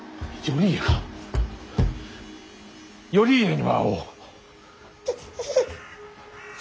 頼家には会おう。